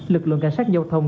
lực lượng cảnh sát giao thông